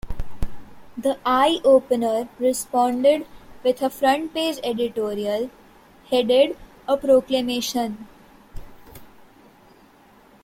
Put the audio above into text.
"The Eyeopener" responded with a front-page editorial, headed "A Proclamation.